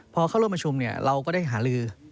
พอเข้าร่วมประชุมเราก็ได้หาลือ